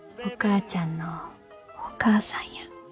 お母ちゃんのお母さんや。